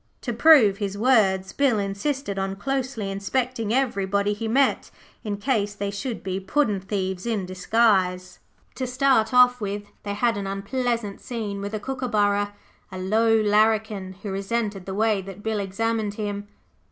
To prove his words Bill insisted on closely inspecting everybody he met, in case they should be puddin' thieves in disguise. To start off with, they had an unpleasant scene with a Kookaburra, a low larrikin who resented the way that Bill examined him.